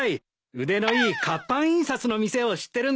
腕のいい活版印刷の店を知ってるんです。